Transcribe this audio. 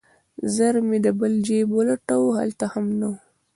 ژر مې بل جيب ولټاوه هلته هم نه و.